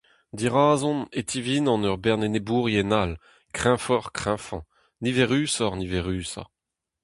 Dirazon e tivinan ur bern enebourien all, kreñvoc'h-kreñvañ, niverusoc'h-niverusañ.